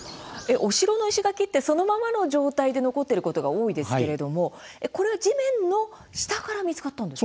お城の石垣ってそのままの状態で残っていることが多いですけれども、これは地面の下から見つかったんですか。